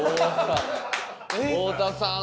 「太田さん